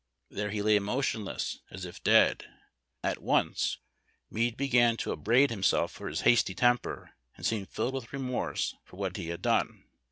There he lay motionless, as if dead. At once Meade began to upbraid himself for his hasty temper, and seemed filled with remorse for what he had done.